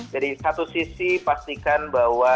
jadi satu sisi pastikan bahwa